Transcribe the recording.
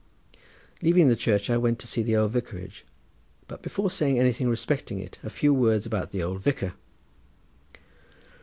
Leaving the church I went to see the old vicarage, but, before saying anything respecting it, a few words about the old vicar.